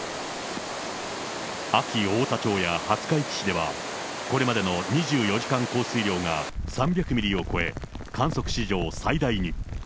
安芸太田町や廿日市市では、これまでの２４時間降水量が３００ミリを超え、観測史上最大に。